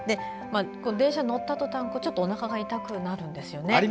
電車に乗ったとたんちょっとおなかが痛くなるんです。